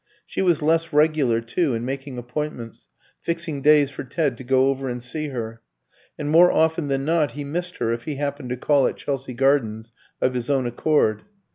She was less regular, too, in making appointments, fixing days for Ted to go over and see her; and more often than not he missed her if he happened to call at Chelsea Gardens of his own accord.